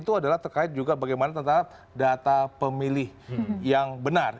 itu adalah terkait juga bagaimana tentang data pemilih yang benar